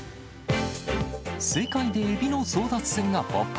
世界でエビの争奪戦が勃発！